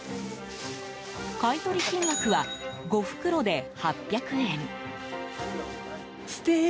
買い取り金額は５袋で８００円。